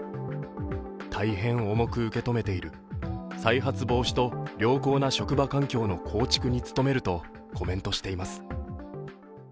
大変重く受け止めている、再発防止と良好な職場環境の構築に努めるとコメントしています。